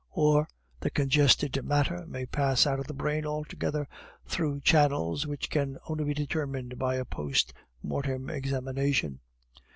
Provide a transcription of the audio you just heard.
Or the congested matter may pass out of the brain altogether through channels which can only be determined by a post mortem examination.